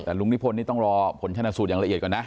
แต่ลุงนิพนธนี่ต้องรอผลชนะสูตรอย่างละเอียดก่อนนะ